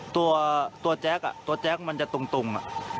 ตัวแจ๊กมันจะตรง